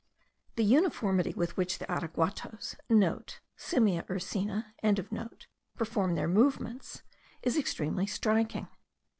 The uniformity with which the araguatos* (* Simia ursina.) perform their movements is extremely striking.